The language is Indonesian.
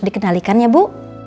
dikenalikan ya bu